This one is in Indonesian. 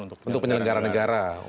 untuk penyelenggara negara